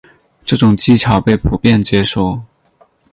这种技巧被普遍接受。